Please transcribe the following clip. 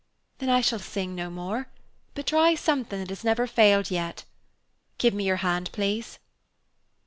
"Then I shall sing no more, but try something that has never failed yet. Give me your hand, please."